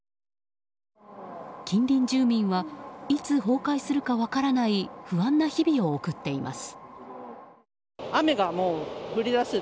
近隣住民はいつ崩壊するか分からない不安な日々を送っています。